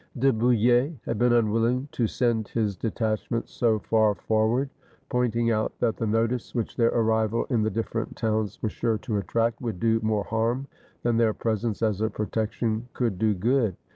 De Bouille had been unwilling to send his detach ments so far forward, pointing out that the notice which their arrival in the different towns was sure to attract, would do more harm than their presence as a protection could do good.